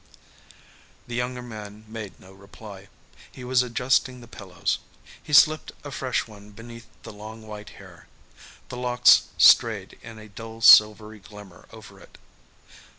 The younger man made no reply. He was adjusting the pillows. He slipped a fresh one beneath the long white hair. The locks strayed in a dull silvery glimmer over it.